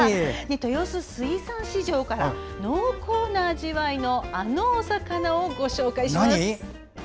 豊洲水産市場から濃厚な味わいのあの魚をご紹介します。